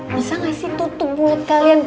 bisa gak sih tutup mulut kalian